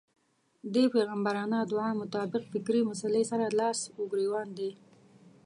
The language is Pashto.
دې پيغمبرانه دعا مطابق فکري مسئلې سره لاس و ګرېوان دی.